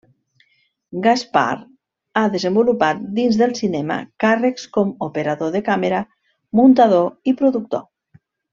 Gaspar ha desenvolupat dins del cinema càrrecs com operador de càmera, muntador i productor.